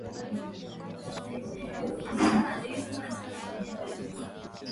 Na kuwataka badala yake waingie nchini humo mara kwa mara